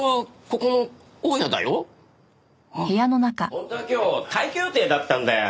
本当は今日退去予定だったんだよ。